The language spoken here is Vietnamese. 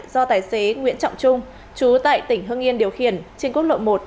do tài xế nguyễn trọng trung chú tại tỉnh hưng yên điều khiển trên quốc lộ một